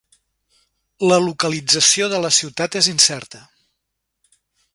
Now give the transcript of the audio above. La localització de la ciutat és incerta.